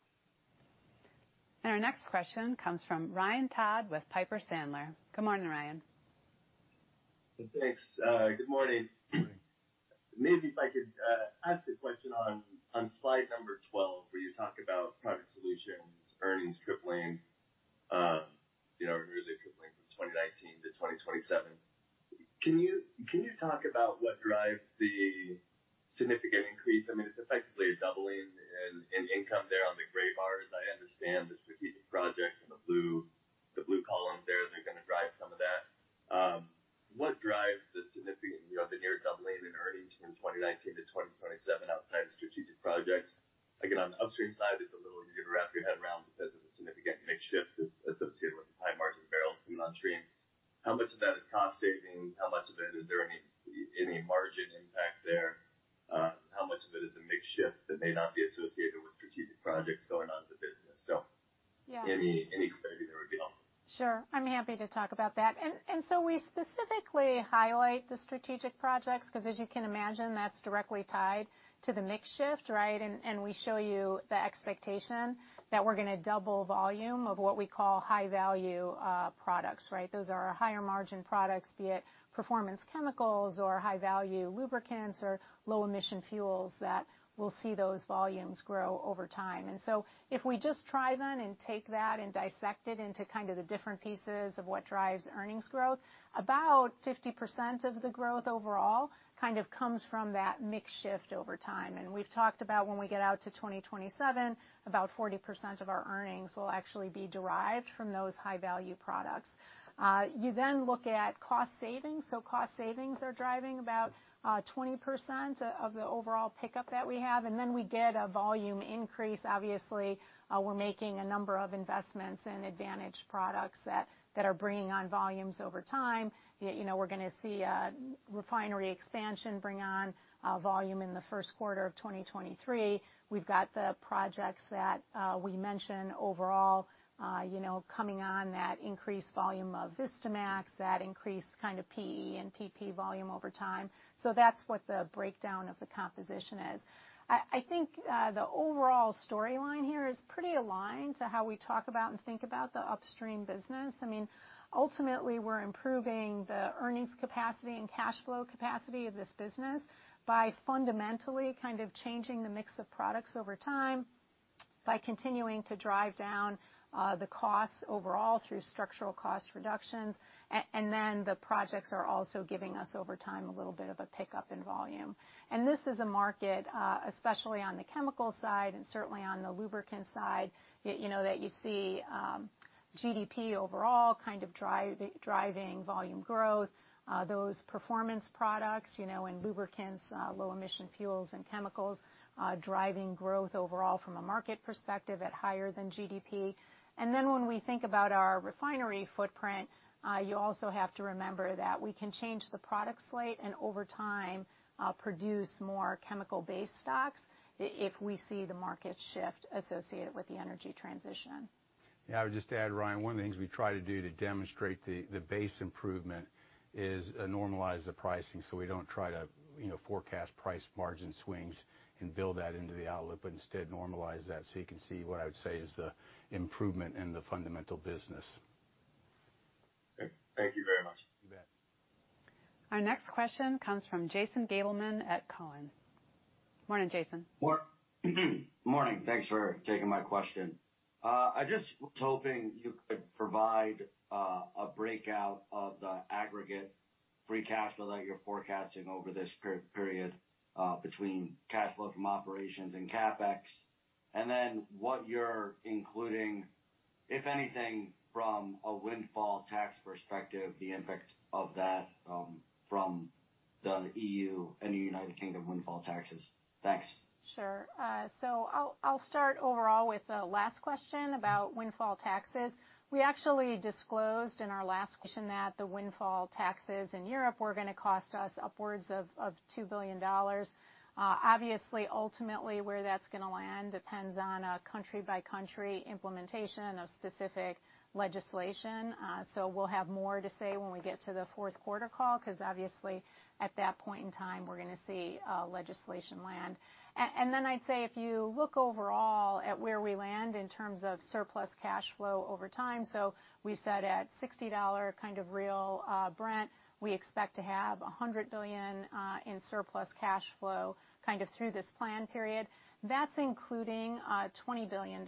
Our next question comes from Ryan Todd with Piper Sandler. Good morning, Ryan. Thanks. Good morning. Good morning. Maybe if I could ask a question on slide number 12, where you talk about product solutions, earnings tripling, you know, really tripling from 2019 to 2027. Can you talk about what drives the significant increase? I mean, it's effectively a doubling in income there on the gray bars. I understand the strategic projects in the blue column there, they're gonna drive some of that. What drives the significant, you know, the near doubling in earnings from 2019 to 2027 outside of strategic projects? Again, on the upstream side, it's a little easier to wrap your head around because of the significant mix shift associated with the high margin barrels coming on stream. How much of that is cost savings? How much of it, is there any margin impact there? How much of it is a mix shift that may not be associated with strategic projects going on with the business? Yeah. Any clarity there would be helpful. Sure. I'm happy to talk about that. We specifically highlight the strategic projects 'cause as you can imagine, that's directly tied to the mix shift, right? We show you the expectation that we're gonna double volume of what we call high-value products, right? Those are our higher margin products, be it performance chemicals or high-value lubricants or low-emission fuels that we'll see those volumes grow over time. If we just try then and take that and dissect it into kind of the different pieces of what drives earnings growth, about 50% of the growth overall kind of comes from that mix shift over time. We've talked about when we get out to 2027, about 40% of our earnings will actually be derived from those high-value products. You then look at cost savings. Cost savings are driving about 20% of the overall pickup that we have. We get a volume increase. Obviously, we're making a number of investments in advantage products that are bringing on volumes over time. You know, we're gonna see a refinery expansion bring on volume in the first quarter of 2023. We've got the projects that we mentioned overall, you know, coming on that increased volume of Vistamaxx, that increased kind of PE and PP volume over time. That's what the breakdown of the composition is. I think the overall storyline here is pretty aligned to how we talk about and think about the upstream business. I mean, ultimately, we're improving the earnings capacity and cash flow capacity of this business by fundamentally kind of changing the mix of products over time. By continuing to drive down, the costs overall through structural cost reductions. And then the projects are also giving us, over time, a little bit of a pickup in volume. This is a market, especially on the chemical side and certainly on the lubricant side, you know, that you see, GDP overall driving volume growth. Those performance products, you know, and lubricants, low emission fuels and chemicals, driving growth overall from a market perspective at higher than GDP. When we think about our refinery footprint, you also have to remember that we can change the product slate and, over time, produce more chemical based stocks if we see the market shift associated with the energy transition. Yeah. I would just add, Ryan, one of the things we try to do to demonstrate the base improvement is normalize the pricing. We don't try to, you know, forecast price margin swings and build that into the outlook, but instead normalize that, so you can see what I would say is the improvement in the fundamental business. Okay. Thank you very much. You bet. Our next question comes from Jason Gabelman at Cowen. Morning, Jason. Morning. Thanks for taking my question. I just was hoping you could provide a breakout of the aggregate free cash flow that you're forecasting over this period, between cash flow from operations and CapEx. Then what you're including, if anything, from a windfall tax perspective, the impact of that, from the EU and the United Kingdom windfall taxes. Thanks. Sure. I'll start overall with the last question about windfall taxes. We actually disclosed in our last question that the windfall taxes in Europe were gonna cost us upwards of $2 billion. Obviously, ultimately, where that's gonna land depends on a country-by-country implementation of specific legislation. We'll have more to say when we get to the fourth quarter call 'cause, obviously, at that point in time, we're gonna see legislation land. I'd say if you look overall at where we land in terms of surplus cash flow over time, we said at $60 kind of real Brent, we expect to have $100 billion in surplus cash flow kind of through this plan period. That's including $20 billion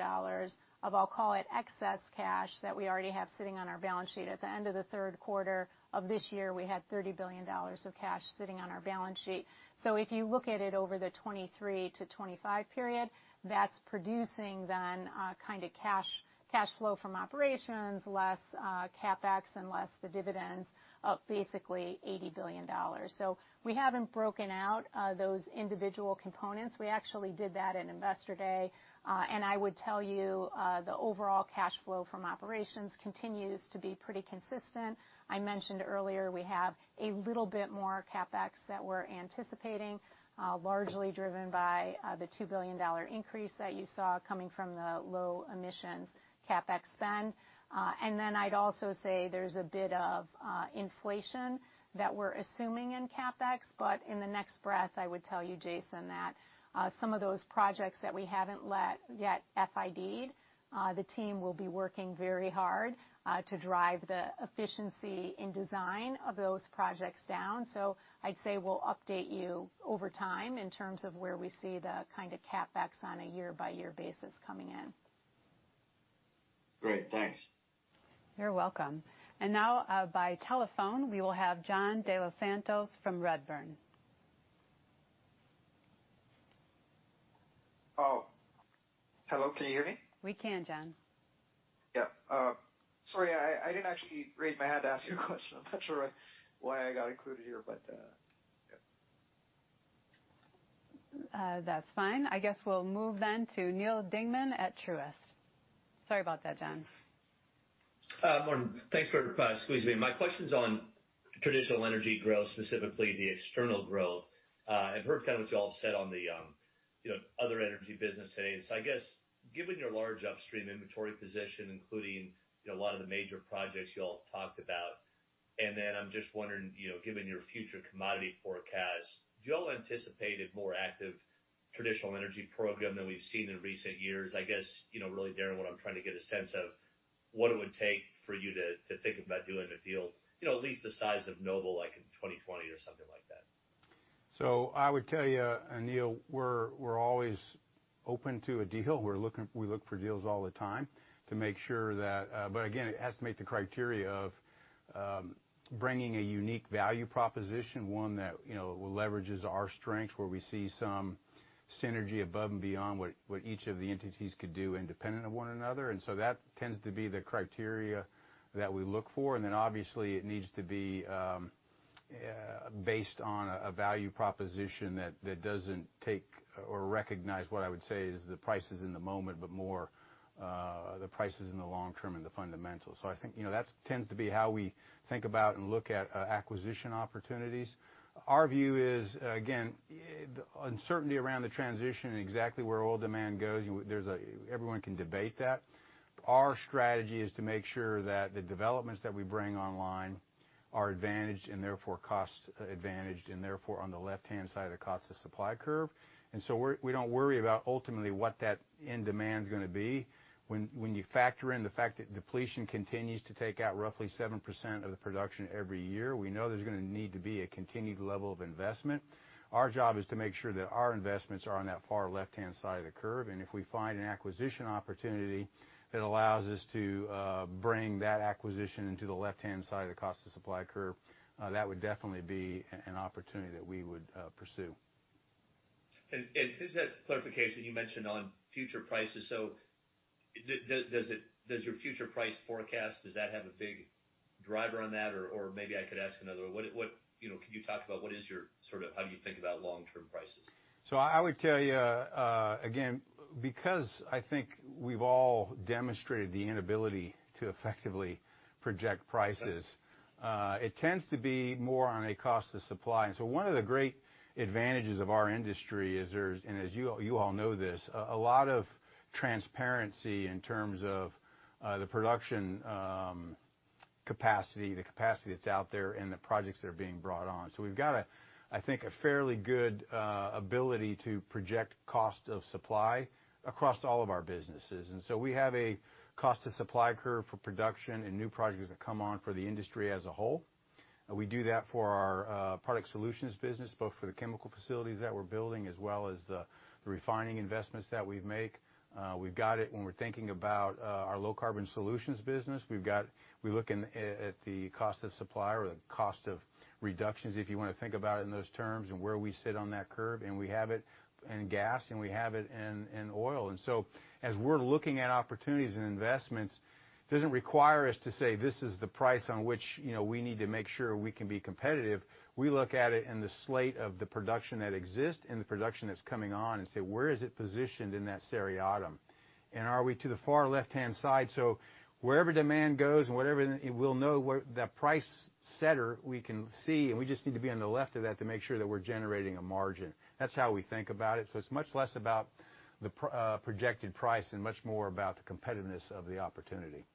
of, I'll call it, excess cash that we already have sitting on our balance sheet. At the end of the third quarter of this year, we had $30 billion of cash sitting on our balance sheet. If you look at it over the 2023-2025 period, that's producing then a kinda cash flow from operations, less CapEx and less the dividends of basically $80 billion. We haven't broken out those individual components. We actually did that in Investor Day. I would tell you, the overall cash flow from operations continues to be pretty consistent. I mentioned earlier we have a little bit more CapEx that we're anticipating, largely driven by the $2 billion increase that you saw coming from the low emissions CapEx spend. Then I'd also say there's a bit of inflation that we're assuming in CapEx. In the next breath, I would tell you, Jason, that some of those projects that we haven't let yet FID'd, the team will be working very hard to drive the efficiency in design of those projects down. I'd say we'll update you over time in terms of where we see the kinda CapEx on a year-by-year basis coming in. Great. Thanks. You're welcome. Now, by telephone, we will have John de los Santos from Redburn. Oh, hello, can you hear me? We can, John. Yeah. sorry, I didn't actually raise my hand to ask you a question. I'm not sure why I got included here, but, yeah. That's fine. I guess we'll move then to Neal Dingman at Truist. Sorry about that, John. Morning. Thanks for squeezing me in. My question's on traditional energy growth, specifically the external growth. I've heard kind of what you all have said on the, you know, other energy business today. I guess, given your large upstream inventory position, including, you know, a lot of the major projects you all talked about, and then I'm just wondering, you know, given your future commodity forecast, do you all anticipate a more active traditional energy program than we've seen in recent years? I guess, you know, really, Darren, what I'm trying to get a sense of, what it would take for you to think about doing a deal, you know, at least the size of Noble, like in 2020 or something like that. I would tell you, Neal, we're always open to a deal. We look for deals all the time to make sure that, but again, it has to meet the criteria of, bringing a unique value proposition, one that, you know, leverages our strengths, where we see some synergy above and beyond what each of the entities could do independent of one another. That tends to be the criteria that we look for. Then obviously it needs to be, based on a value proposition that doesn't take or recognize what I would say is the prices in the moment, but more, the prices in the long term and the fundamentals. I think, you know, that tends to be how we think about and look at, acquisition opportunities. Our view is, again, the uncertainty around the transition and exactly where oil demand goes, everyone can debate that. Our strategy is to make sure that the developments that we bring online are advantaged and therefore cost advantaged, and therefore on the left-hand side of the cost of supply curve. We don't worry about ultimately what that end demand's gonna be. When you factor in the fact that depletion continues to take out roughly 7% of the production every year, we know there's gonna need to be a continued level of investment. Our job is to make sure that our investments are on that far left-hand side of the curve. If we find an acquisition opportunity that allows us to bring that acquisition into the left-hand side of the cost of supply curve, that would definitely be an opportunity that we would pursue. Just that clarification you mentioned on future prices. Does your future price forecast, does that have a big driver on that? Maybe I could ask another. What... You know, can you talk about what is your sort of how do you think about long-term prices? I would tell you, again, because I think we've all demonstrated the inability to effectively project prices. Okay. It tends to be more on a cost of supply. One of the great advantages of our industry is there's, and as you all know this, a lot of transparency in terms of the production capacity, the capacity that's out there, and the projects that are being brought on. We've got a, I think, a fairly good ability to project cost of supply across all of our businesses. We have a cost to supply curve for production and new projects that come on for the industry as a whole. We do that for our product solutions business, both for the chemical facilities that we're building as well as the refining investments that we make. We've got it when we're thinking about our Low Carbon Solutions business. We're looking at the cost of supply or the cost of reductions, if you wanna think about it in those terms, and where we sit on that curve, and we have it in gas, and we have it in oil. As we're looking at opportunities and investments, doesn't require us to say, "This is the price on which, you know, we need to make sure we can be competitive." We look at it in the slate of the production that exists and the production that's coming on and say, "Where is it positioned in that seriatim? Are we to the far left-hand side?" Wherever demand goes and whatever the we'll know where the price setter we can see, and we just need to be on the left of that to make sure that we're generating a margin. That's how we think about it. It's much less about the projected price and much more about the competitiveness of the opportunity.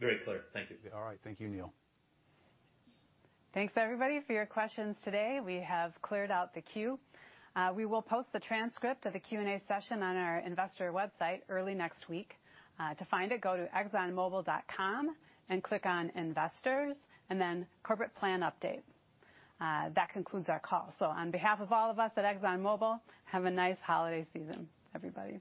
Very clear. Thank you. All right. Thank you, Neal. Thanks, everybody, for your questions today. We have cleared out the queue. We will post the transcript of the Q&A session on our investor website early next week. To find it, go to exxonmobil.com and click on Investors and then Corporate Plan Update. That concludes our call. On behalf of all of us at ExxonMobil, have a nice holiday season, everybody.